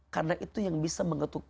karena itu yang bisa menghidupkanmu